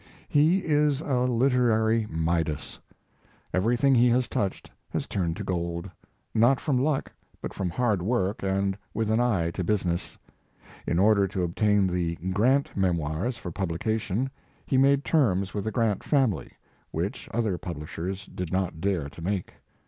He is a literary Midas. Everything he has touched has turned to gold, not from luck, but from hard work and with an eye to business. In order to obtain the "Grant Memoirs" for publication, he made terms with the Grant family, which other publishers did not dare to make.